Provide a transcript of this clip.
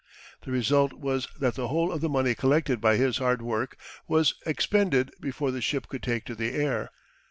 The result was that the whole of the money collected by his hard work was expended before the ship could take to the air.